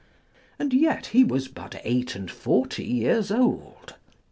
And yet he was but eight and forty years old.